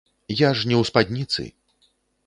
Я ж не ў спадніцы.